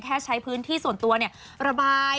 ใช้พื้นที่ส่วนตัวระบาย